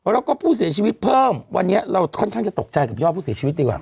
แล้วก็ผู้เสียชีวิตเพิ่มวันนี้เราค่อนข้างจะตกใจกับยอดผู้เสียชีวิตดีกว่า